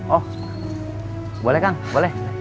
oh boleh kang boleh